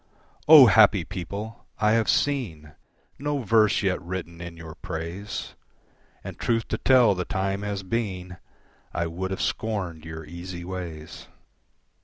O happy people! I have seen No verse yet written in your praise, And, truth to tell, the time has been I would have scorned your easy ways.